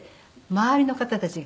周りの方たち